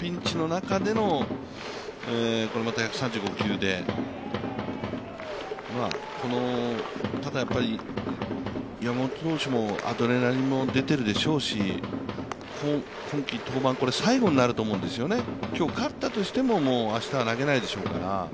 ピンチの中での１３５球で、ただ、やっぱり山本投手もアドレナリンも出ているでしょうし、今季、登板最後になると思うんですよね、今日勝ったとしても明日は投げないでしょうから。